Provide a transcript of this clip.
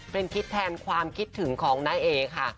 เป็นคิดแทนความคิดถึงของน้าเอค่ะ